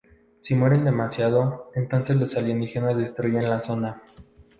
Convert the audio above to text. Si mueren demasiado, entonces los alienígenas destruyen la zona.